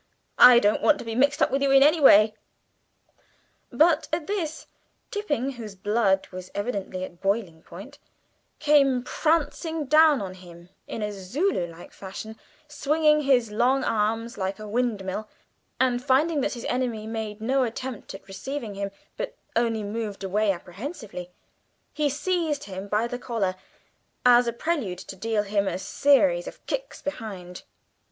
I don't want to be mixed up with you in any way." But at this Tipping, whose blood was evidently at boiling point, came prancing down on him in a Zulu like fashion, swinging his long arms like a windmill, and finding that his enemy made no attempt at receiving him, but only moved away apprehensively, he seized him by the collar as a prelude to dealing him a series of kicks behind.